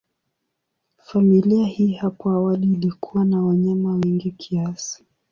Familia hii hapo awali ilikuwa na wanyama wengi kiasi.